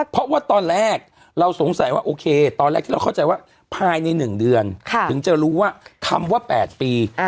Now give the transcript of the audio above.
เพราะว่าตอนแรกเราสงสัยว่าโอเคตอนแรกที่เราเข้าใจว่าภายใน๑เดือนถึงจะรู้ว่าคำว่า๘ปี